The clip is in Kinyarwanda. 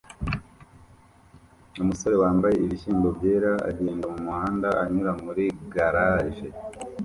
Umusore wambaye ibishyimbo byera agenda mumuhanda anyura muri garage